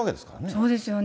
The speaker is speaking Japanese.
そうですよね。